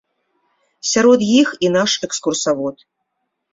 Сярод іх і наш экскурсавод.